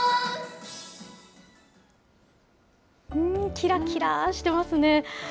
きらきらしてますね。